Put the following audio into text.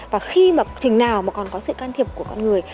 và khi mà quá trình nào mà còn có sự can thiệp của con người